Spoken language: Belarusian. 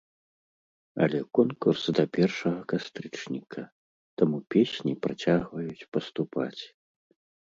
Але конкурс да першага кастрычніка, таму песні працягваюць паступаць.